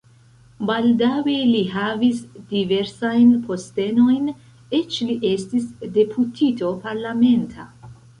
Baldaŭe li havis diversajn postenojn, eĉ li estis deputito parlamenta.